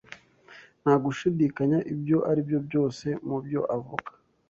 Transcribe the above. Nta gushidikanya ibyo aribyo byose mubyo avuga